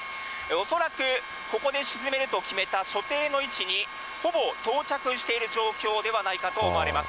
恐らくここで沈めると決めた所定の位置にほぼ到着している状況ではないかと思われます。